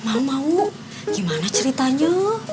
mamamu gimana ceritanya